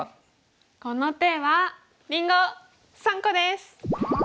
この手はりんご３個です！